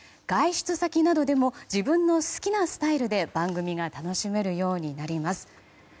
外出先などでも自分の好きなスタイルで番組が楽しめるようになります。